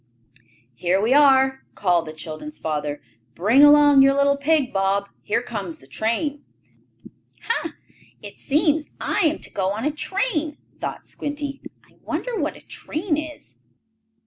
"Here we are!" called the children's father. "Bring along your little pig, Bob. Here comes the train." "Ha! It seems I am to go on a train," thought Squinty. "I wonder what a train is?"